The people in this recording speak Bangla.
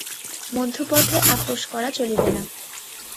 মধ্যপথে আপস করা চলিবে না।